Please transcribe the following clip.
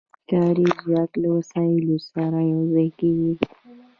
کاري ځواک له وسایلو سره یو ځای کېږي